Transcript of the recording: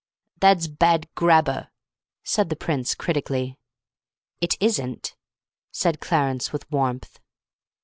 "Thad's bad grabbar," said the Prince critically. "It isn't," said Clarence with warmth.